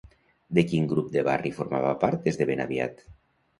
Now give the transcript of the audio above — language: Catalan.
De quin grup de barri formava part des de ben aviat?